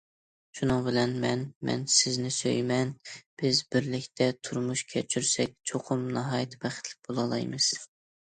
شۇنىڭ بىلەن مەن، مەن سىزنى سۆيىمەن، بىز بىرلىكتە تۇرمۇش كەچۈرسەك چوقۇم ناھايىتى بەختلىك بولالايمىز.